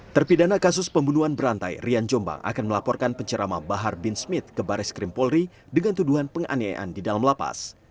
terpidana kasus pembunuhan berantai rian jombang akan melaporkan pencerama bahar bin smith ke baris krim polri dengan tuduhan penganiayaan di dalam lapas